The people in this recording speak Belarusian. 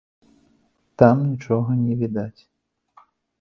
Там нічога не відаць.